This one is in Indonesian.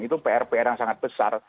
itu pr pr yang sangat besar